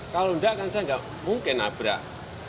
kalau enggak kan saya nggak mungkin nabrak